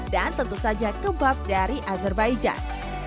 dan tentu saja kebab dari azerbaijan